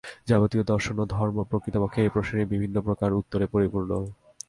যাবতীয় দর্শন ও ধর্ম প্রকৃতপক্ষে এই প্রশ্নেরই বিভিন্ন প্রকার উত্তরে পরিপূর্ণ।